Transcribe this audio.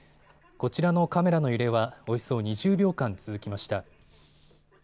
こちらのカメラの揺れはおよそ２０秒間続きました。